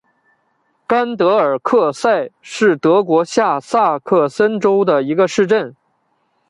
甘德尔克塞是德国下萨克森州的一个市镇。